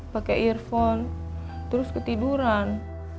pake earphone terus ketiduran